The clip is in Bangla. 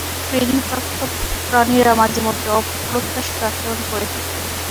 ট্রেইনিং-প্রাপ্ত প্রাণীরা মাঝেমাঝে অপ্রত্যাশিত আচরণ করে থাকে।